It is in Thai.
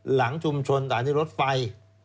หลังชุมชนใต้ที่รถไฟ